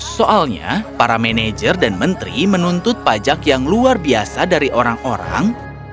soalnya para manajer dan menteri menuntut pajak yang luar biasa dari orang orang